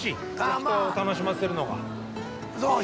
人を楽しませるのが。